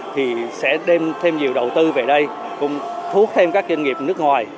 thì sẽ đem thêm nhiều đầu tư về đây cũng thu hút thêm các doanh nghiệp nước ngoài